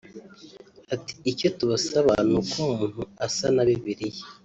Ati “Icyo tubasaba ni uko umuntu asa na Bibiliya